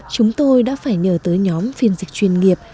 chúng tôi đã phải nhờ tới nhóm phiên dịch chuyên nghiệp